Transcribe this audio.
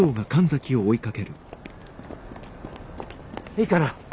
いいかな？